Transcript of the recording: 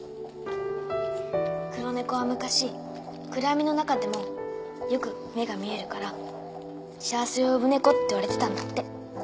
黒猫は昔暗闇の中でもよく目が見えるから幸せを呼ぶ猫っていわれてたんだって。